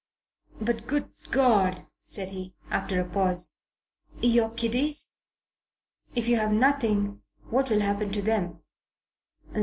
"But, good God!" said he, after a pause, "your kiddies? If you have nothing what will happen to them?"